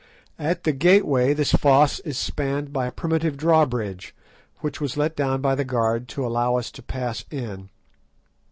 At the gateway this fosse is spanned by a primitive drawbridge, which was let down by the guard to allow us to pass in.